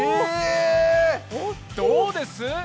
どうです？